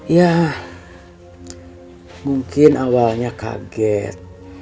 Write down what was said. ya mungkin awalnya kaget